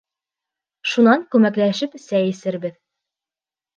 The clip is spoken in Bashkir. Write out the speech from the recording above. Шунан күмәкләшеп сәй эсербеҙ.